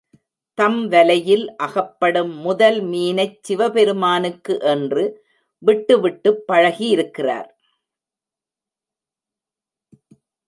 தம் வலையில் அகப்படும் முதல் மீனைச் சிவபெருமானுக்கு என்று விட்டு விட்டுப் பழகியிருக்கிறார்.